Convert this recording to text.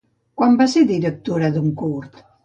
Quan va ser directora d'un curt?